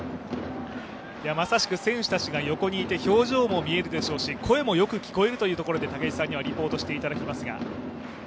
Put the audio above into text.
まさしく選手たちが横にいて表情も見えるでしょうし声もよく聞こえるというところで武井さんにはリポートしていただきます。